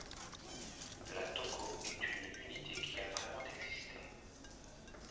La Tokkō est une unité qui a vraiment existé.